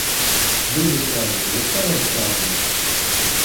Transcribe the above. Ddu d useεdi, ad taɣeḍ sseεd-is.